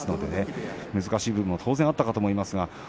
難しいことも当然あったと思います。